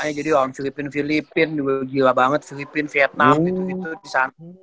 berarti kalau misalnya waktu itu gak ada chris mon